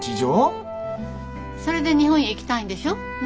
それで日本へ行きたいんでしょ？ね？